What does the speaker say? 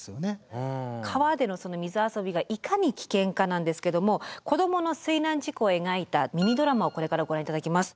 川での水遊びがいかに危険かなんですけども子どもの水難事故を描いたミニドラマをこれからご覧いただきます。